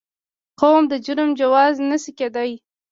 قوم د جرم جواز نه شي کېدای.